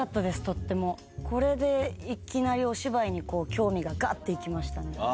これでいきなりお芝居に興味がガッていきましたね。